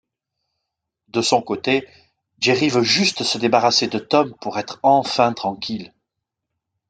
De son côté, Jerry veut juste se débarrasser de Tom pour être enfin tranquille.